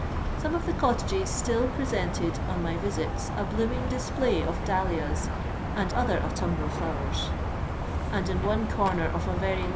Some of the cottages still pre sented, on my visiti«, a blooming difcplay of dahlias and other autumnal flowers ; and in one corner of a very l.